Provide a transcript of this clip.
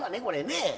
これね。